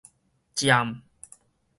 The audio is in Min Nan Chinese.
占